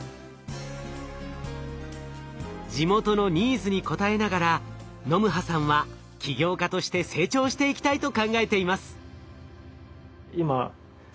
地元のニーズに応えながらノムハさんは起業家として成長していきたいと考えています。